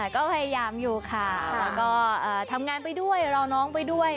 ก็พยายามอยู่ค่ะแล้วก็ทำงานไปด้วยรอน้องไปด้วย